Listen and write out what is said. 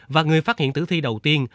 và người phát hiện tử thi đầu tiên